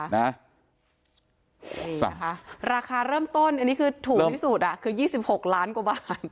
นี่นะคะราคาเริ่มต้นอันนี้คือถูกที่สุดคือ๒๖ล้านกว่าบาท